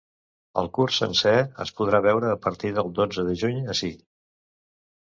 El curt sencer es podrà veure a partir del dotze de juny ací.